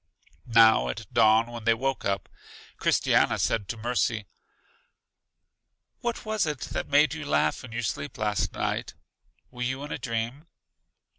Now at dawn when they woke up, Christiana said to Mercy: What was it that made you laugh in your sleep last night? Were you in a dream?